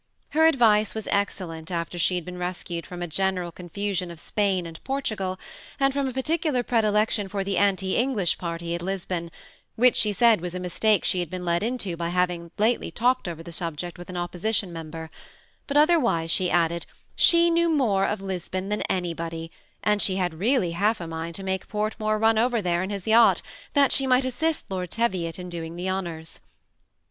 Her advice was excellent afler she had been rescued from a general confusion of Spain and Portugal, and from a particular predilection for the anti English party at Lisbon, which she said was a mistake she had been led into by having lately talked over the subject with 212 TBGB SEMI ATTACHED COUPLE. an opposition member; but otherwise, she added, she knew more of Lisbon than anybody, and she had really half a mind to make Portmore run over there in his yacht, that she might assist Lord Teviot in doing the honors.